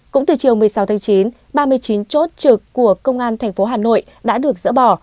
cũng từ chiều một mươi sáu tháng chín ba mươi chín chốt trực của công an thành phố hà nội đã được dỡ bỏ